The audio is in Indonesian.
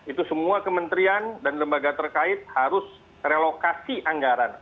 itu semua kementerian dan lembaga terkait harus relokasi anggaran